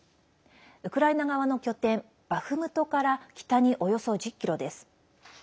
ウクライナ側の拠点バフムトから北におよそ１０ｋｍです。